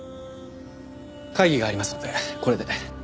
会議がありますのでこれで。